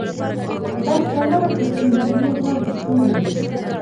بحث طلبه تصمیم ګیري هم شتون لري.